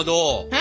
え？